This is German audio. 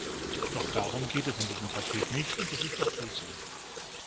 Doch darum geht es in diesem Paket nicht, und das ist auch gut so.